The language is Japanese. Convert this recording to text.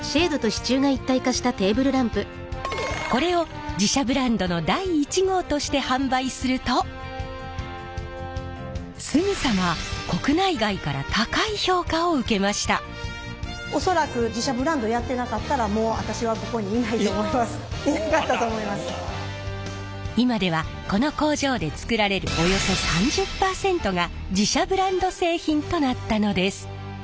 これを自社ブランドの第１号として販売するとすぐさま恐らく今ではこの工場で作られるおよそ３０％が自社ブランド製品となったのです！